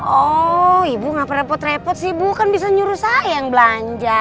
oh ibu ngapa repot repot sih ibu kan bisa nyuruh sayang belanja